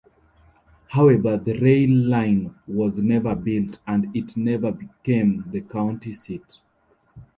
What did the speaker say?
However the rail line was never built and it never became the county seat.